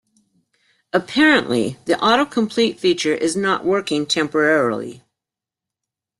Apparently, the autocomplete feature is not working temporarily.